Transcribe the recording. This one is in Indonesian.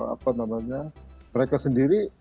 apa namanya mereka sendiri